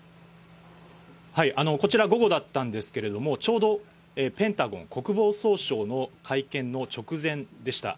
こちら、午後だったんですけど、ちょうどペンタゴン・国防総省の会見の直前でした。